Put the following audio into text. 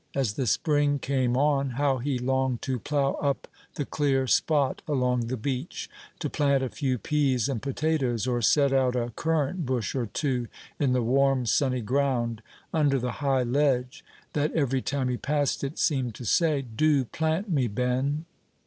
As the spring came on, how he longed to plough up the clear spot along the beach, to plant a few peas and potatoes, or set out a currant bush or two in the warm sunny ground, under the high ledge, that every time he passed it seemed to say, "Do plant me, Ben."